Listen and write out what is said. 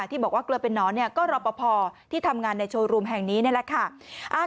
ที่บอกว่าเกลือเป็นนอนเนี่ยก็รอปภที่ทำงานในโชว์รูมแห่งนี้นี่แหละค่ะ